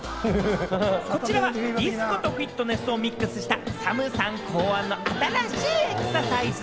こちらはディスコとフィットネスをミックスしたＳＡＭさん考案の新しいエクササイズ。